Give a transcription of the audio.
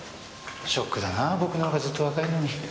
ショックだなぁ僕の方がずっと若いのに。